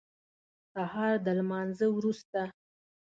سهار د لمانځه وروسته.